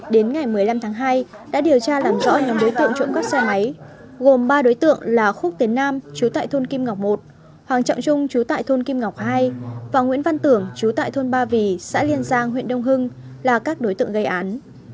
đến ngày một mươi năm tháng hai đã điều tra làm rõ nhóm đối tượng trộm cắp xe máy gồm ba đối tượng là khúc tiến nam chú tại thôn kim ngọc i hoàng trọng trung chú tại thôn kim ngọc hai và nguyễn văn tưởng chú tại thôn ba vì xã liên giang huyện đông hưng là các đối tượng gây án